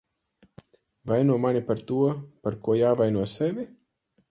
Vaino mani par to, par ko jāvaino sevi.